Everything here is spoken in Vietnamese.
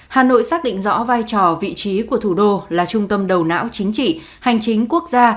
hà nội xác định rõ vai trò vị trí của thủ đô là trung tâm đầu não chính trị hành chính quốc gia